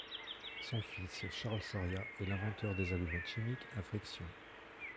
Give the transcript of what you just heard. Son fils Charles Sauria est l'inventeur des allumettes chimiques à friction.